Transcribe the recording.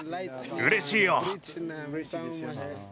うれしいよ。